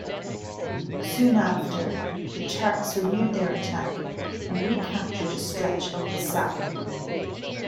Soon after, the Turks renewed their attack and recaptured a stretch of the sap.